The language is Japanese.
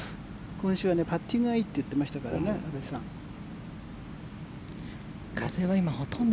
今週はパッティングがいいと言っていましたから阿部さん。